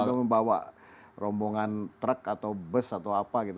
atau membawa rombongan truk atau bus atau apa gitu